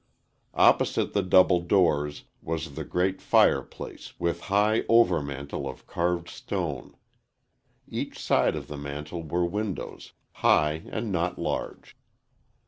Opposite the double doors was the great fireplace with high over mantel of carved stone. Each side of the mantel were windows, high and not large.